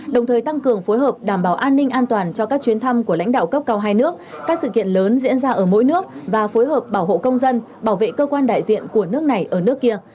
đồng thời tăng cường phối hợp đảm bảo an ninh an toàn cho các chuyến thăm của lãnh đạo cấp cao hai nước các sự kiện lớn diễn ra ở mỗi nước và phối hợp bảo hộ công dân bảo vệ cơ quan đại diện của nước này ở nước kia